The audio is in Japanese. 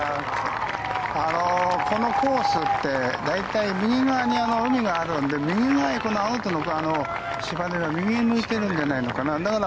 このコースって大体、右側に海があるので右側にアウトの芝は右を向いてるんじゃないのかな。